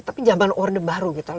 tapi zaman order baru gitu